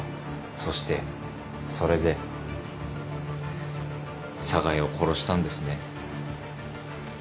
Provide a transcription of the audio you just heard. そしてそれで寒河江を殺したんですね。